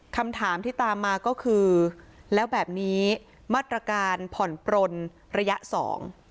คำถามที่ตามมาก็คือแล้วแบบนี้มาตรการผ่อนปลนระยะสอง